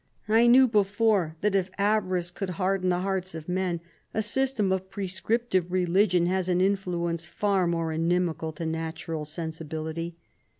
I knew before, that if avarice could harden the hearts of men, a system of prescriptive religion has an influence far more ini mical to natural sensibility.